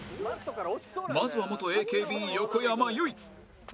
まずは元 ＡＫＢ 横山由依